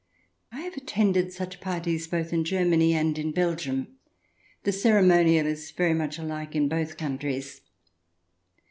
I have attended such parties both in Germany and in Belgium. The ceremonial is very much alike in both countries.